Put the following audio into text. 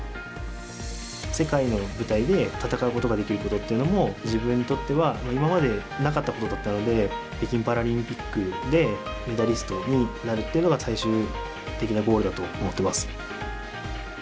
世界の舞台で戦うことができることっていうのも自分にとっては今までなかったことだったので北京パラリンピックでメダリストになるっていうのが最終的なゴールだと思ってます。